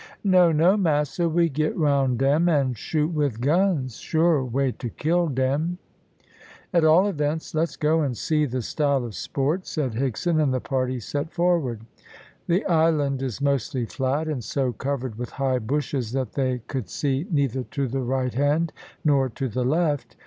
"No, no, massa, we get round dem, and shoot with guns. Surer way to kill dem." "At all events let's go and see the style of sport," said Higson, and the party set forward. The island is mostly flat, and so covered with high bushes that they could see neither to the right hand nor to the left.